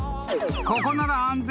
［ここなら安全。